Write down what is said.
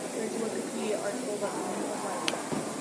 There's a Wikipedia article about the meaning of life.